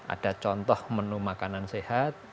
ada contoh menu makanan sehat